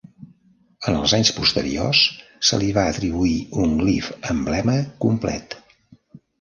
En els anys posteriors, se li va atribuir un glif emblema complet.